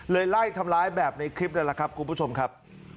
ไล่ทำร้ายแบบในคลิปนั่นแหละครับคุณผู้ชมครับ